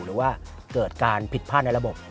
หรือว่าเกิดการผิดพลาดในระบบ